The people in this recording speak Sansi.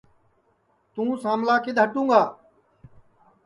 توں ساملا کِدؔ ہٹوں گا